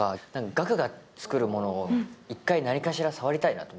岳が作るものを一回、何かしら触りたいなと。